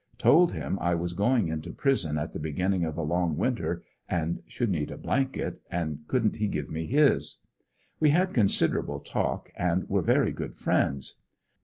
Told him I was going into prison at the beginning of a long winter, and should need a blanket, and could'nt he give me his. We had considerable talk, and were very good friends.